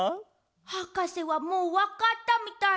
はかせはもうわかったみたい。